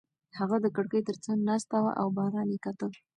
هغه د کړکۍ تر څنګ ناسته وه او باران یې کاته.